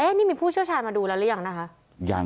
นี่มีผู้เชี่ยวชาญมาดูแล้วหรือยังนะคะ